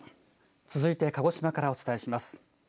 続いて鹿児島からお伝えします。